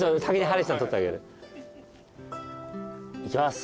いきます。